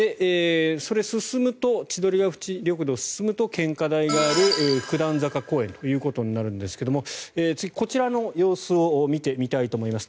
それを進むと千鳥ヶ淵緑道を進むと献花台がある九段坂公園ということになるんですが次、こちらの様子を見てみたいと思います。